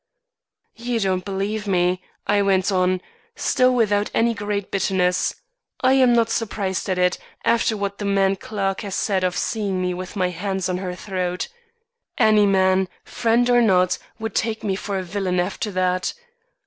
"You don't believe me," I went on, still without any great bitterness. "I am not surprised at it, after what the man Clarke has said of seeing me with my hands on her throat. Any man, friend or not, would take me for a villain after that.